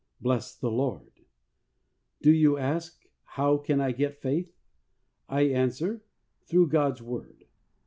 Bless the Lord ! Do you ask, ' How can I get faith ?' I answer, through God's Word.